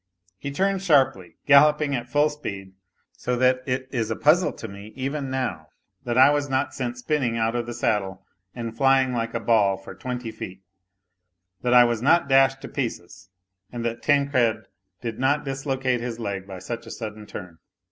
He turned sharply, galloping at full speed, so that it is a puzzle to me even now that I was not sent spinning out of the saddle and flying like a ball for twenty feet, that I was not dashed to pieces, and that Tancred did not dislocate his leg by such a sudden turn.